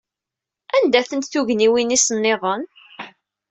Anda-tent tugniwin-is nniḍen?